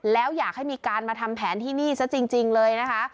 แล้วอยากให้มีการมาทำแผนที่นี่ซะจริงเลยนะคะ